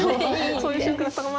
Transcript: そういう瞬間